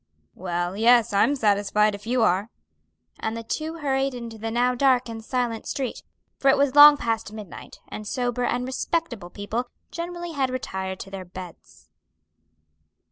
"Well, yes; I'm satisfied if you are." And the two hurried into the now dark and silent street, for it was long past midnight, and sober and respectable people generally had retired to their beds.